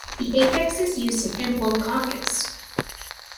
The apex is used in end-blown conches.